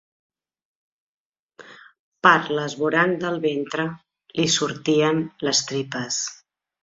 Per l'esvoranc del ventre li sortien les tripes.